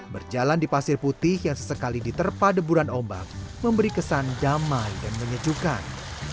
berjalan di pasir putih yang sesekali diterpa deburan ombak memberi kesan damai dan menyejukkan